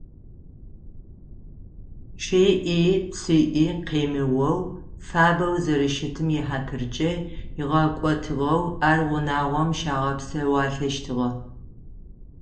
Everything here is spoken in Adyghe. Чъыӏи-псыӏи къемыоу, фабэу зэрэщытым ихьатыркӏэ игъэкӏотыгъэу ар унагъом щагъэпсэуалъэщтыгъэ.